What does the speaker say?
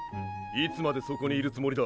いつまでそこにいるつもりだ？